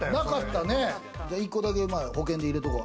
１個だけ保険で入れとこう。